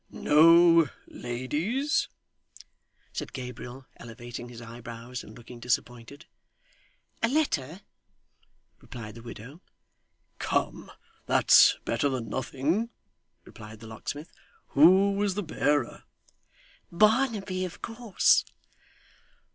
'No ladies?' said Gabriel, elevating his eyebrows and looking disappointed. 'A letter,' replied the widow. 'Come. That's better than nothing!' replied the locksmith. 'Who was the bearer?' 'Barnaby, of course.